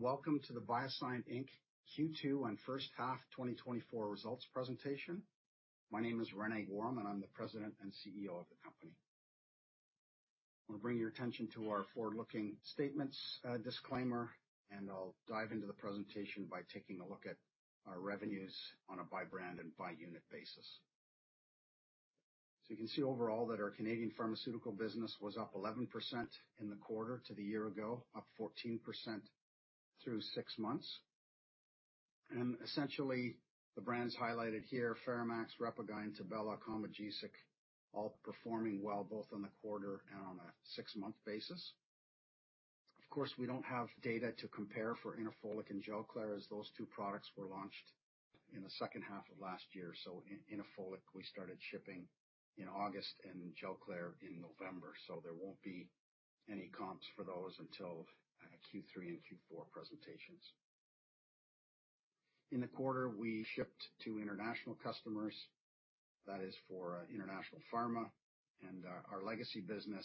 ...Hello, and welcome to the BioSyent Inc. Q2 and first half 2024 results presentation. My name is René Goehrum, and I'm the President and CEO of the company. I want to bring your attention to our forward-looking statements, disclaimer, and I'll dive into the presentation by taking a look at our revenues on a by brand and by unit basis. So you can see overall that our Canadian pharmaceutical business was up 11% in the quarter to the year ago, up 14% through six months. And essentially, the brands highlighted here, FeraMAX, RepaGyn, Tibella, Combogesic, all performing well both on the quarter and on a six-month basis. Of course, we don't have data to compare for Inofolic and Gelclair, as those two products were launched in the second half of last year. So, Inofolic, we started shipping in August and Gelclair in November, so there won't be any comps for those until Q3 and Q4 presentations. In the quarter, we shipped to international customers, that is, for International Pharma and our legacy business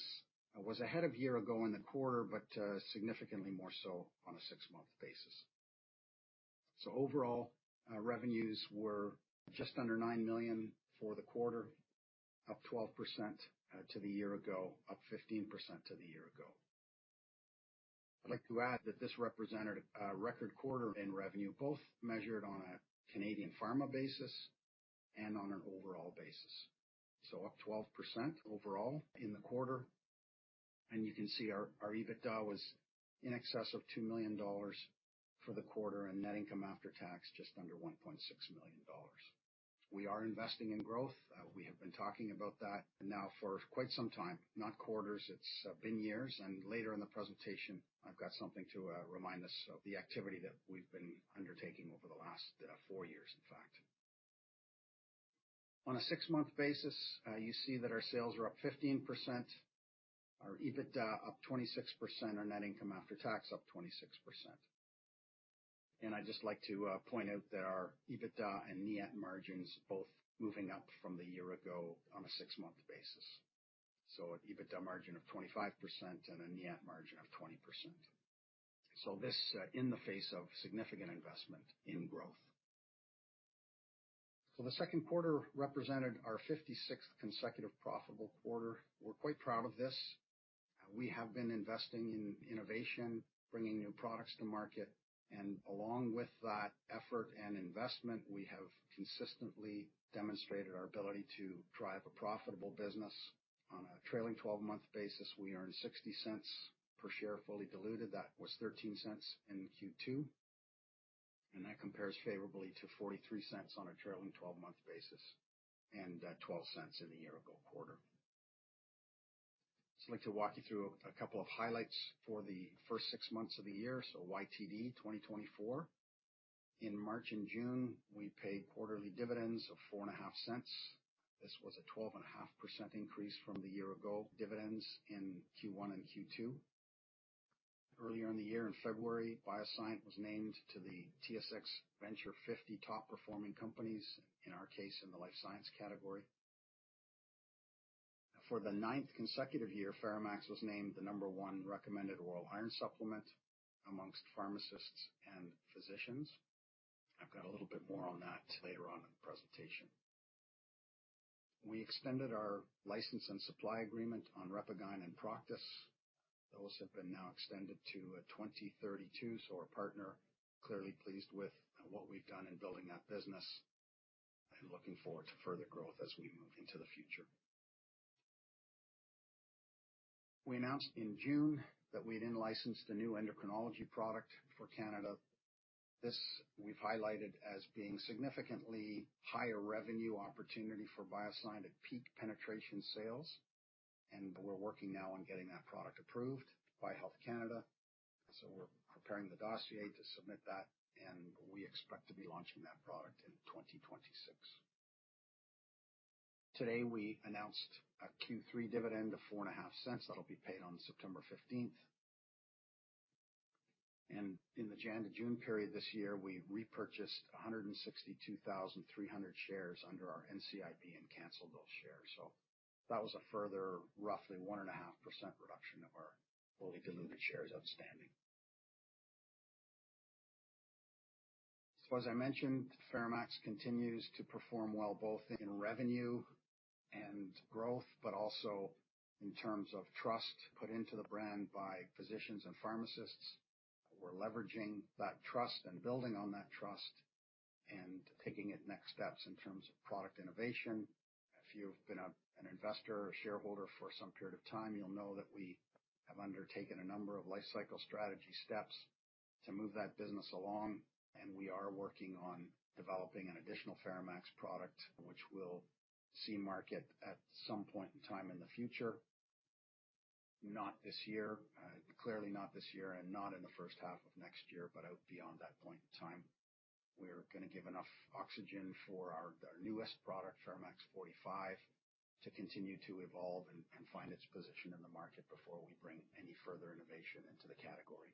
was ahead of year ago in the quarter, but significantly more so on a six-month basis. So overall, revenues were just under 9 million for the quarter, up 12% to the year ago, up 15% to the year ago. I'd like to add that this represented a record quarter in revenue, both measured on a Canadian pharma basis and on an overall basis, so up 12% overall in the quarter. And you can see our EBITDA was in excess of 2 million dollars for the quarter, and net income after tax just under 1.6 million dollars. We are investing in growth. We have been talking about that now for quite some time, not quarters, it's, been years, and later in the presentation, I've got something to, remind us of the activity that we've been undertaking over the last, four years, in fact. On a six-month basis, you see that our sales are up 15%, our EBITDA up 26%, our net income after tax up 26%, and I'd just like to, point out that our EBITDA and NIAT margins both moving up from the year ago on a six-month basis, so an EBITDA margin of 25% and a NIAT margin of 20%, so this, in the face of significant investment in growth, so the second quarter represented our fifty-sixth consecutive profitable quarter. We're quite proud of this. We have been investing in innovation, bringing new products to market, and along with that effort and investment, we have consistently demonstrated our ability to drive a profitable business. On a trailing twelve-month basis, we earn 0.60 per share, fully diluted. That was 0.13 in Q2, and that compares favorably to 0.43 on a trailing twelve-month basis, and twelve cents in the year ago quarter. I just like to walk you through a couple of highlights for the first six months of the year, so YTD 2024. In March and June, we paid quarterly dividends of 0.045. This was a 12.5% increase from the year ago dividends in Q1 and Q2. Earlier in the year, in February, BioSyent was named to the TSX Venture 50 top performing companies, in our case, in the life science category. For the ninth consecutive year, FeraMAX was named the number one recommended oral iron supplement amongst pharmacists and physicians. I've got a little bit more on that later on in the presentation. We extended our license and supply agreement on RepaGyn and Proktis-M. Those have been now extended to twenty thirty-two, so our partner clearly pleased with what we've done in building that business and looking forward to further growth as we move into the future. We announced in June that we had in-licensed a new endocrinology product for Canada. This we've highlighted as being significantly higher revenue opportunity for BioSyent at peak penetration sales, and we're working now on getting that product approved by Health Canada. So we're preparing the dossier to submit that, and we expect to be launching that product in twenty twenty-six. Today, we announced a Q3 dividend of 0.045. That'll be paid on September fifteenth. In the January to June period this year, we repurchased 162,300 shares under our NCIB and canceled those shares. That was a further, roughly 1.5% reduction of our fully diluted shares outstanding. As I mentioned, FeraMAX continues to perform well, both in revenue and growth, but also in terms of trust put into the brand by physicians and pharmacists. We're leveraging that trust and building on that trust and taking it next steps in terms of product innovation. If you've been an investor or shareholder for some period of time, you'll know that we have undertaken a number of lifecycle strategy steps to move that business along, and we are working on developing an additional FeraMAX product, which will see market at some point in time in the future. Not this year, clearly not this year and not in the first half of next year, but out beyond that point in time. We're gonna give enough oxygen for our, our newest product, FeraMAX 45, to continue to evolve and, and find its position in the market before we bring any further innovation into the category.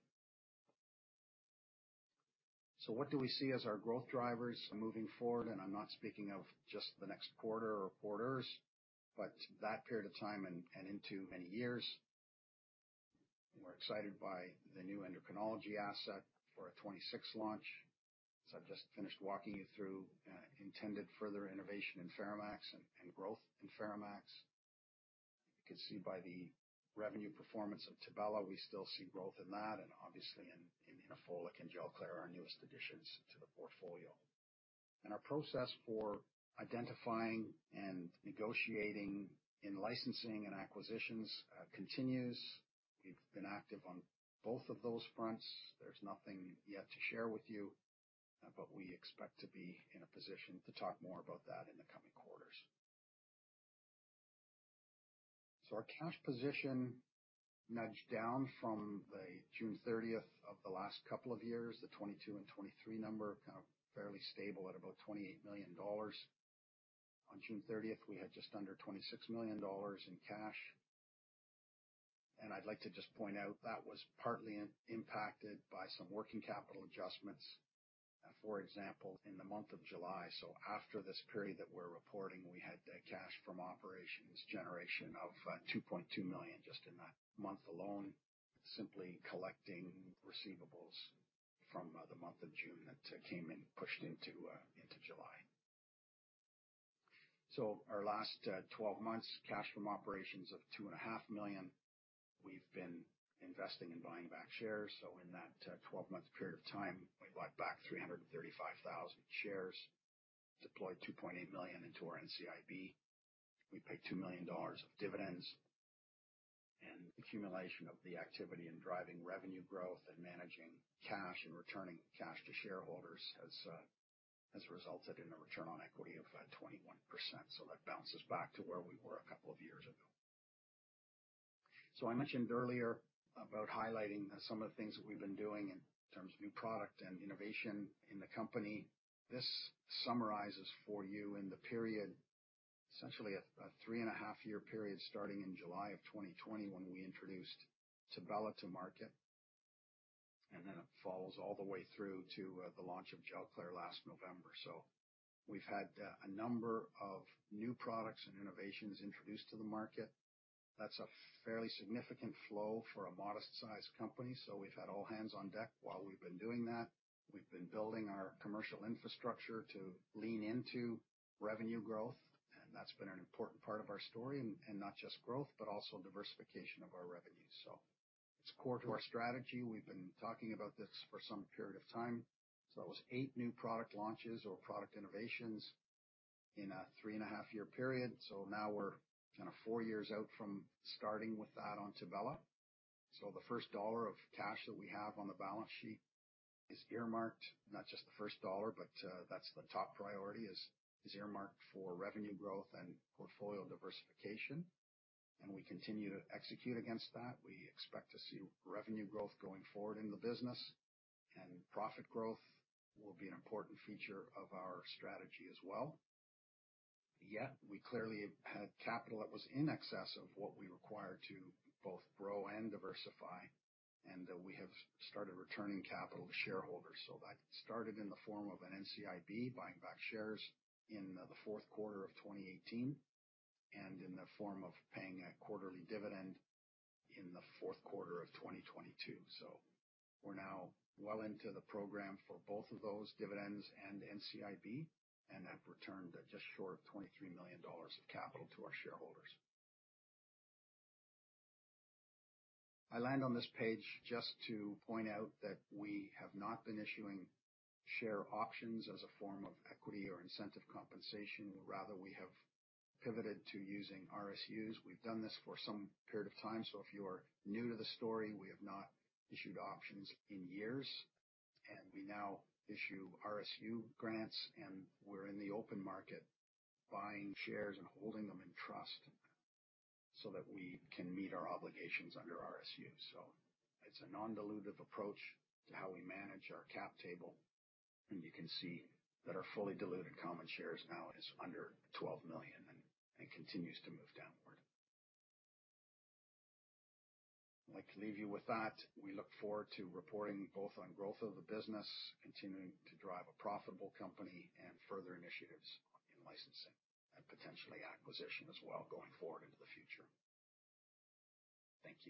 So what do we see as our growth drivers moving forward? And I'm not speaking of just the next quarter or quarters, but that period of time and, and into many years. We're excited by the new endocrinology asset for a 2026 launch. As I've just finished walking you through, intended further innovation in FeraMAX, and, and growth in FeraMAX. You can see by the revenue performance of Tibella, we still see growth in that and obviously in, in Inofolic and Gelclair, our newest additions to the portfolio. Our process for identifying and negotiating in-licensing and acquisitions continues. We've been active on both of those fronts. There's nothing yet to share with you, but we expect to be in a position to talk more about that in the coming quarters. Our cash position nudged down from the June thirtieth of the last couple of years, the 2022 and 2023 number, kind of fairly stable at about 28 million dollars. On June thirtieth, we had just under 26 million dollars in cash, and I'd like to just point out that was partly impacted by some working capital adjustments. For example, in the month of July, so after this period that we're reporting, we had cash from operations generation of 2.2 million just in that month alone, simply collecting receivables from the month of June that came in, pushed into July, so our last 12 months cash from operations of 2.5 million, we've been investing in buying back shares, so in that 12-month period of time, we bought back 335,000 shares, deployed 2.8 million into our NCIB. We paid 2 million dollars of dividends, and accumulation of the activity in driving revenue growth and managing cash and returning cash to shareholders has resulted in a return on equity of 21%, so that bounces back to where we were a couple of years ago. I mentioned earlier about highlighting some of the things that we've been doing in terms of new product and innovation in the company. This summarizes for you in the period, essentially a three-and-a-half year period, starting in July of twenty twenty, when we introduced Tibella to market, and then it follows all the way through to the launch of Gelclair last November. We've had a number of new products and innovations introduced to the market. That's a fairly significant flow for a modest-sized company, so we've had all hands on deck while we've been doing that. We've been building our commercial infrastructure to lean into revenue growth, and that's been an important part of our story, and not just growth, but also diversification of our revenues. It's core to our strategy. We've been talking about this for some period of time. So that was eight new product launches or product innovations in a three-and-a-half-year period. So now we're kind of four years out from starting with that on Tibella. So the first dollar of cash that we have on the balance sheet is earmarked, not just the first dollar, but that's the top priority, is earmarked for revenue growth and portfolio diversification, and we continue to execute against that. We expect to see revenue growth going forward in the business, and profit growth will be an important feature of our strategy as well. Yet, we clearly had capital that was in excess of what we required to both grow and diversify, and we have started returning capital to shareholders. That started in the form of an NCIB, buying back shares in the fourth quarter of 2018, and in the form of paying a quarterly dividend in the fourth quarter of 2022. We're now well into the program for both of those dividends and NCIB, and have returned just short of 23 million dollars of capital to our shareholders. I land on this page just to point out that we have not been issuing share options as a form of equity or incentive compensation. Rather, we have pivoted to using RSUs. We've done this for some period of time, so if you are new to the story, we have not issued options in years, and we now issue RSU grants, and we're in the open market buying shares and holding them in trust so that we can meet our obligations under RSU. So it's a non-dilutive approach to how we manage our cap table, and you can see that our fully diluted common shares now is under 12 million and continues to move downward. I'd like to leave you with that. We look forward to reporting both on growth of the business, continuing to drive a profitable company, and further initiatives in-licensing and potentially acquisition as well, going forward into the future. Thank you.